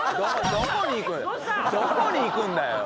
どこに行くんだよ？